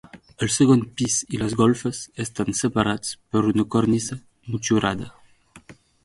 El segon pis i les golfes estan separats per una cornisa motllurada.